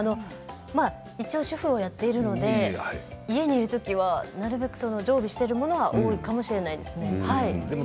一応、主婦をやっているので、家にいる時はなるべく常備しているものが多いかもしれないですね。